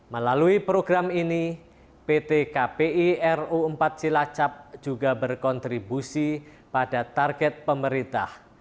melalui program ini pt kpi refinery unit empat silacap juga berkontribusi pada target pemerintah